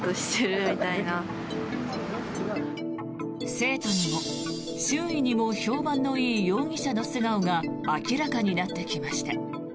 生徒にも周囲にも評判のいい容疑者の素顔が明らかになってきました。